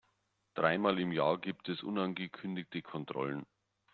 Dreimal im Jahr gibt es unangekündigte Kontrollen.